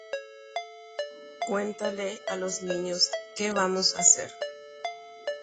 Emombe'umína mitãmimíme mba'épa jajapóta.